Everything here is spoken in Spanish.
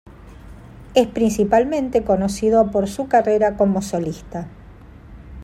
Es principalmente conocido por su carrera como solista.